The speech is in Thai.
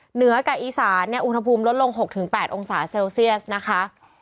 เหนือกับอีสานเนี่ยอุณหภูมิลดลง๖๘องศาเซลเซียสนะคะ